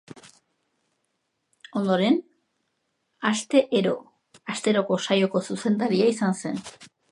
Ondoren, Aste ero asteroko saioko zuzendaria izan zen.